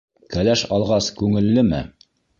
— Кәләш алғас күңеллеме?